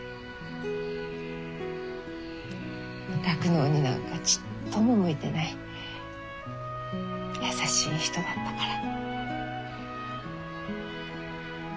酪農になんかちっとも向いてない優しい人だったから。